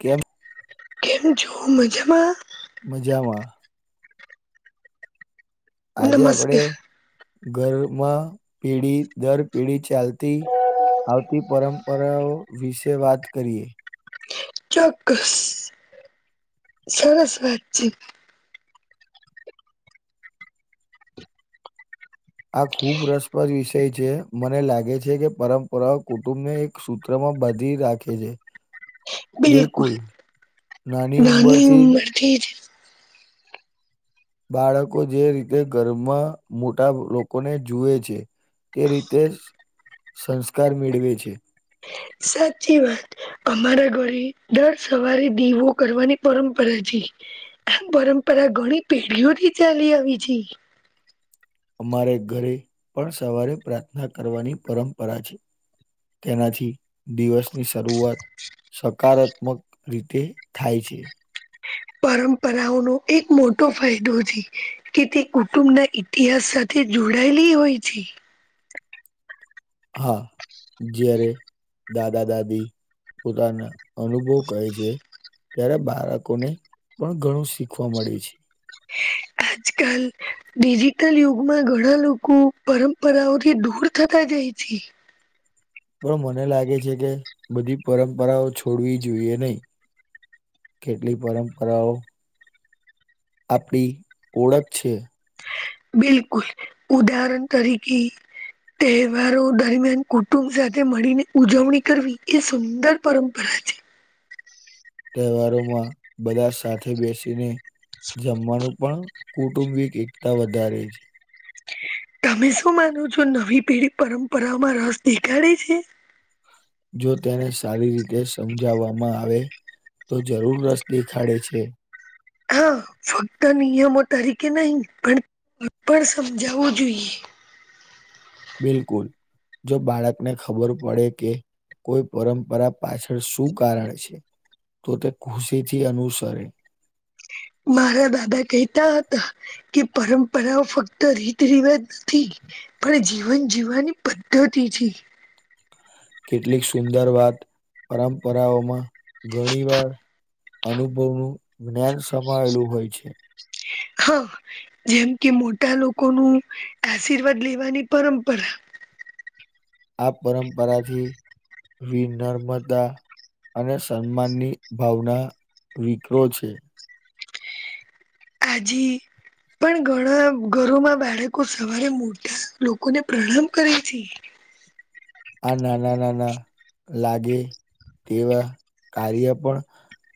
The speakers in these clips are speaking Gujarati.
કેમ? કેમ છો મજામાં? મજામાં. આજે આપડે નમસ્કાર ઘરમાં પેઢી દર પેઢી ચાલતી આવતી પરંપરાઓ વિશે વાત કરીએ. ચોક્કસ, સરસ વાત છે. આ ખુબ રસપ્રદ વિષય છે, મને લાગે છે કે પરંપરાઓ કુટુંબને એક સૂત્ર માં બાધી રાખે છે. બિલકુલ, નાની ઉંમરથી થી જ બાળકો જે રીતે ઘરમાં મોટા લોકોને જુએ છે. તે રીતેજ સંસ્કાર મેળવે છે. સાચી વાત અમારા ઘરે, દર સવારે દીવો કરવાની પરંપરા છે. આ પરંપરા ઘણી પેઢીઓથી ચાલી આવી છે. અમારે ઘરે પણ સવારે પ્રાર્થના કરવાની પરંપરા છે. તેનાથી દિવસની શરૂઆત સકારાત્મક રીતે થાય છે. પરંપરાઓનો એક મોટો ફાયદો છે. કે તે કુટુંબના ઇતિહાસ સાથે જોડાયેલી હોય છે. હા, જ્યારે દાદા દાદી પોતાના અનુભવ કહે છે. ત્યારે બાળકોને પણ ઘણું શીખવા મળે છે. અજકલ ડિજિટલ યુગમાં ઘણા લોકો, પરંપરાઓથી દૂર થતા જાય છે. પણ મને લાગે છે કે બધી પરંપરાઓ છોડવી જોઈએ નહી. કેટલી પરંપરાઓ આપડી ઓળખ છે. બિલકુલ, ઉદાહરણ તરીકે તહેવારો દરમિયાન કુટુંબ સાથે મળીને ઉજવણી કરવી, એ સુંદર પરંપરા છે. તહેવારોમાં બધા સાથે બેસીને જમવાનું પણ કુટુંબિક એકતા વધારે છે. તમે શું માનો છો નવી પેઢી પરંપરામાં રસ દેખાડે છે. જો તેને સારી રીતે સમજાવવામાં આવે તો જરૂર રસ દેખાડે છે. હા ફક્ત નિયમો તરીકે નહી પણ પણ સમજાવવું જોઈએ. બિલકુલ જો બાળકને ખબર પડે કે કોઈ પરંપરા પાછળ શું કારણ છે તો તે ખુશી થી અનુસરે. મારા દાદા કેતા હતા કે પરંપરાઓ ફક્ત રીત રિવાજ નથી. પણ જીવન જીવવાની પદ્ધતિ છે. કેટલીક સુંદર વાત પરંપરાઓમાં ઘણી વાર અનુભવનું જ્ઞાન સમાવેલું હોય છે. હા જેમ કે મોટા લોકો નુ આશીર્વાદ લેવાની પરંપરા આ પરંપરાથી વિનર્મતા અને સન્માનની ભાવના વિકરો છે. આજી પણ ઘણા ઘરોમાં બાળકો સવારે મોટા લોકોને પ્રણામ કરે છે. આ નાના નાના લાગે તેવા કાર્ય પણ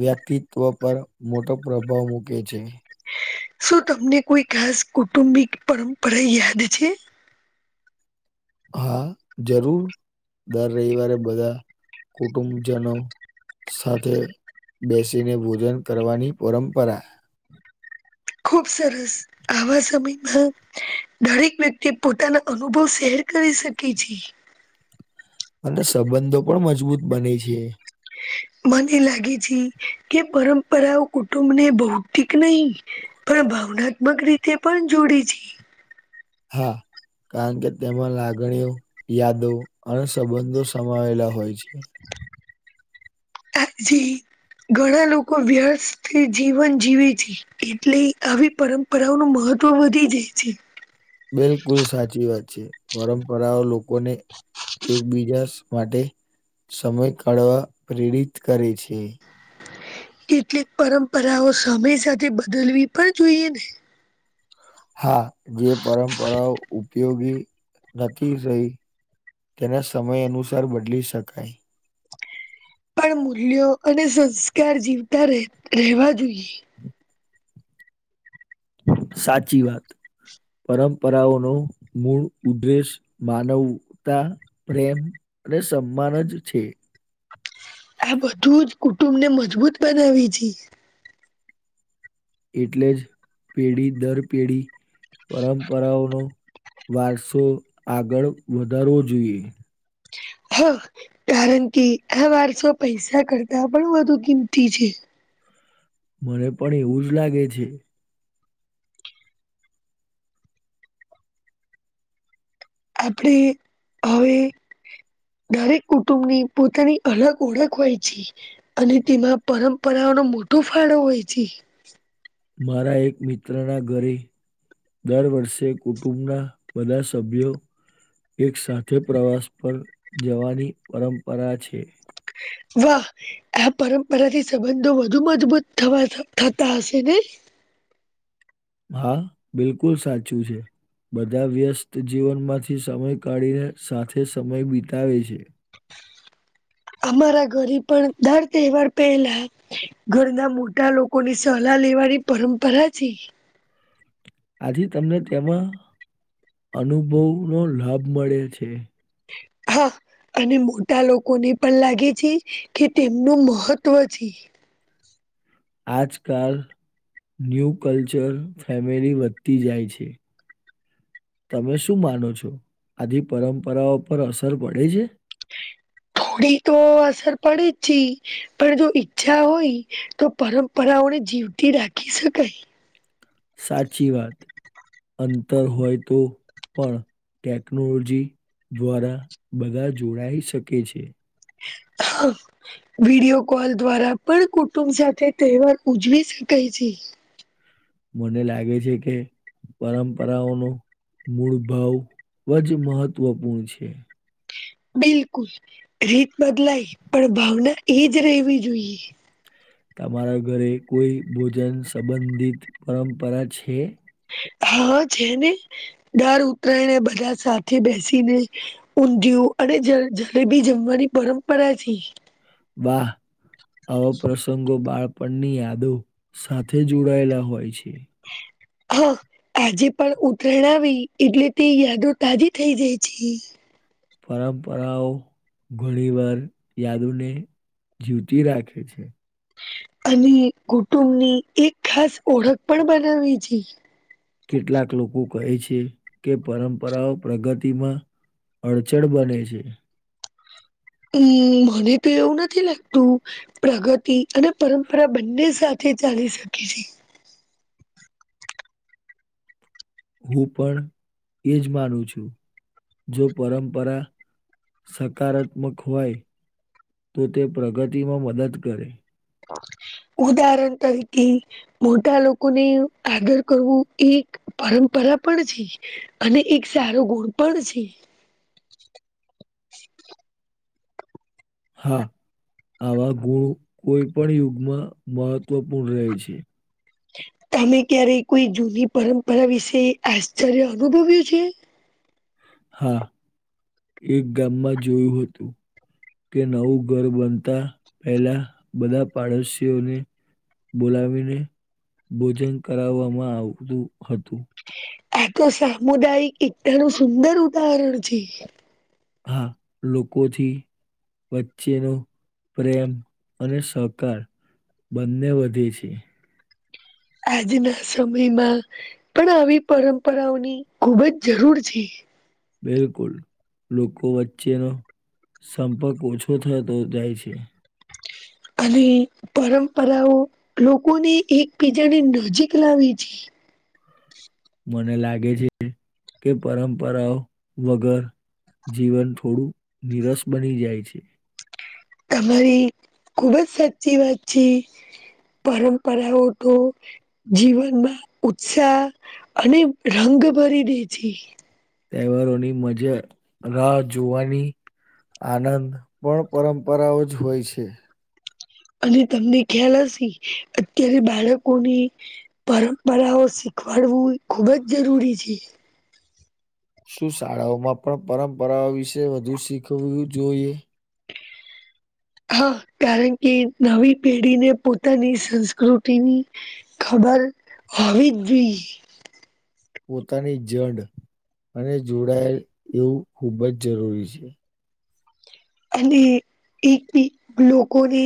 વ્યક્તિત્વ પર મોટો પ્રભાવ મૂકે છે. શું તમને કોઈ ખાસ કુટુંબિક પરંપરા યાદ છે. હા જરૂર દર રવિવારે બધા કુટુંબજનો સાથે બેસીને ભોજન કરવાની પરંપરા ખુબ સરસ આવા [inaudible] જમીનમાં દરેક વ્યક્તિ પોતાના અનુભવ શેર કરી શકે છે. અને સંબંધો પણ મજબૂત બને છે. મને લાગે છે કે પરંપરાઓ કુટુંબ ને ભૌતિક નહી પણ ભાવનાત્મક રીતે પણ જોડે છે. હા. કારણ કે તેમાં લાગણીઓ, યાદો અને સંબંધો સમાયેલા હોય છે. [inaudible] કાકી ઘણા લોકો વ્યસ્તથી જીવન જીવે છે. એટલે આવી પરંપરાઓનું મહત્વ વધી જાય છે. બિલકુલ સાચી વાત છે પરંપરાઓ લોકોને એકબીજા માટે સમય કાઢવા પ્રેરિત કરે છે. કેટલીક પરંપરાઓ સમય સાથે બદલવી પણ જોઈએ ને હા જે પરંપરાઓ ઉપયોગી નથી રહી તેને સમય અનુસાર બદલી શકાય. પણ મૂલ્યો અને સંસ્કાર જીવતા ર રહેવા જોઈએ. સાચી વાત. પરંપરાઓનો મૂળ ઉદેશ માનવતા પ્રેમ અને સન્માન જ છે. આ બધું જ કુટુંબને મજબૂત બનાવે છે. એટલે જ પેઢી દર પેઢી પરંપરાઓનો વારસો આગળ વધારવો જોઈએ. હા કારણ કે આ વારસો પૈસા કરતા પણ વધુ કિંમતી છે. મને પણ એવું જ લાગે છે. આપણે હવે દરેક કુટુંબની પોતાની અલગ ઓળખ હોય છે. અને તેમાં પરંપરાઓનો મોટો ફાળો હોય છે. મારા એક મિત્રના ઘરે દર વર્ષે કુટુંબના બધા સભ્યો એક સાથે પ્રવાસ પર જવાની પરંપરા છે. વાહ આ પરંપરાથી સંબંધો વધુ મજબૂત થતા હશે ને હા બિલકુલ સાચું છે. બધા વ્યસ્ત જીવનમાંથી સમય કાઢીને સાથે સમય વિતાવે છે. અમારા ઘરે પણ દર તહેવાર પહેલા ઘર ના મોટા લોકો ની સલાહ લેવાની પરંપરા છે. આથી તમને તેમાં અનુભવનો લાભ મળે છે. હા અને મોટા લોકોને પણ લાગે છે કે તેમનું મહત્વ છે. આજકાલ ન્યૂ કલ્ચર ફેમિલી વધતી જાય છે. તમે શું માનો છો આ જે પરંપરાઓ પર અસર પડે છે? થોડી તો અસર પડે જ છે. પણ જો ઈચ્છા હોય તો પરંપરાઓને જીવતી રાખી શકાય. સાચી વાત અંતર હોય તો પણ ટેકનોલોજી દ્વારા બધા જોડાઈ શકે છે. હા વિડીયો કોલ દ્વારા પણ કુટુંબ સાથે તહેવાર ઉજવી શકાય છે. મને લાગે છે કે પરંપરાઓનો મૂળ ભાવ જ મહત્વપૂર્ણ છે. બિલકુલ રીત બદલાય પણ ભાવના એજ રહેવી જોઈએ. તમારા ઘરે કોઈ ભોજન સંબંધિત પરંપરા છે. હા છે ને દર ઉતરાયને બધા સાથે બેસીને ઊંધિયું અને જ જલેબી જમવાની પરંપરા છે. વાહ. આવા પ્રસંગો બાળપણની યાદો સાથે જોડાયેલા હોય છે. હા. આજે પણ ઉતરાયણ આવી એટલે તે યાદો તાજી થઈ જાય છે. પરંપરાઓ ઘણી વાર યાદને જીવતી રાખે છે. અને કુટુંબ ની એક ખાસ ઓળખ પણ બનાવી છે. કેટલાક લોકો કહે છે કે પરંપરાઓ પ્રગતિમાં અડચણ બને છે. હમ મને તો એવું નથી લાગતું. પ્રગતિ અને પરંપરા બંને સાથે ચાલી શકે છે. હું પણ એજ માનું છું જો પરંપરા સકારાત્મક હોય તો તે પ્રગતિમાં મદદ કરે. ઉદાહરણ તરીકે મોટા લોકોને આદર કરવું એ પરંપરા પણ છે. અને એક સારો ગુણ પણ છે. હા આવા ગુણો કોઈ પણ યુગમાં મહત્વપૂર્ણ રહે છે. તમે ક્યારે કોઈ જૂની પરંપરા વિશે આશ્ચર્ય અનુભવ્યું છે. હા એક ગામમાં જોયું હતું. કે નવું ઘર બનતા પહેલા બધા પાડોશીઓને બોલાવીને ભોજન કરવામાં આવતું હતું. આ તો સામુદાયિક એકતા નુ સુંદર ઉદાહરણ છે. હા લોકોથી વચ્ચે નો પ્રેમ અને સહકાર બંને વધે છે. આજના સમયમાં પણ આવી પરંપરાઓની ખુબ જ જરૂર છે. બિલકુલ લોકો વચ્ચેનો સંપર્ક ઓછો થતો જાય છે. અને પરંપરાઓ. લોકોને એકબીજાને નજીક લાવી છે. મને લાગે છે કે પરંપરાઓ વગર. જીવન થોડું નિરસ બની જાય છે. તમારી ખુબ જ સાચી વાત છે પરંપરાઓઠો. જીવનમાં ઉત્સાહ અને રંગ ભરી દે છે. તહેવારોની મજા રાહ જોવાની. આનંદ પણ પરંપરાઓ જ હોય છે. અને તમને ખ્યાલ હશે અત્યારે બાળકોની. પરંપરાઓ શીખવાડવું ખુબ જ જરૂરી છે. શું શાળાઓમાં પણ પરંપરાઓ વિશે વધુ શીખવું જોઈએ. હા કારણ કે નવી પેઢીને પોતાની સંસ્કૃતિની. ખબર હોવી જ જોઈએ. પોતાની જડ અને જોડાયેલ એવું ખૂબ જ જરૂરી છે. અને એક એક લોકોને.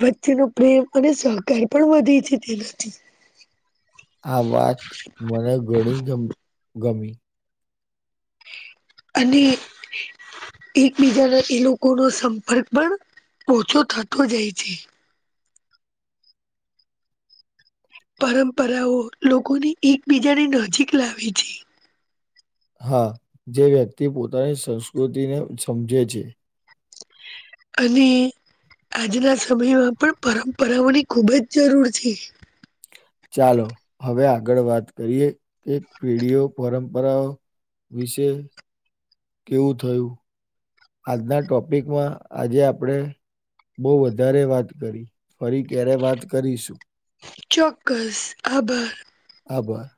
વચ્ચેનો પ્રેમ અને સહકાર પણ વધે છે તેનાથી. આ વાત મને ઘણી ગમ ગમી. અને. એકબીજાને એ લોકો નો સંપર્ક પણ ઓછો થતો જાય છે. પરંપરાઓ લોકોને એકબીજાની નજીક લાવે છે. હા જે વ્યક્તિ પોતાની સંસ્કૃતિને સમજે છે. અને આજના સમયમાં પણ પરંપરાઓની ખૂબ જ જરૂર છે. ચાલો હવે આગળ વાત કરીએ કે પેઢીઓ પરંપરાઓ. વિશે કેવું થયું. આજના ટોપિકમાં આજે આપણે. બહું વધારે વાત કરી ફરી ક્યારે વાત કરીશું. ચોક્કસ આભાર. આભાર.